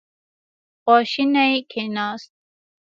خواشینی کېناست.